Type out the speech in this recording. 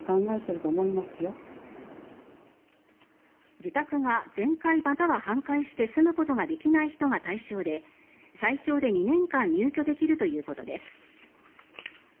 自宅が全壊または半壊して住むことができない人が対象で最長で２年間入居できるということです。